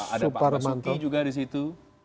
ada pak basuki juga di situ